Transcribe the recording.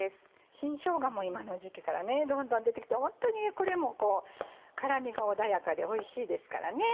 新しょうがも今の時期からどんどん出てきてホントにこれも辛みが穏やかでおいしいですからね。